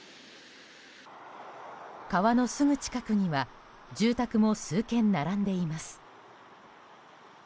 川のすぐ近くには住宅も数軒並んでいます。